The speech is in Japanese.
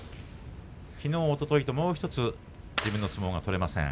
きのう、おとといともうひとつ自分の相撲が取れません。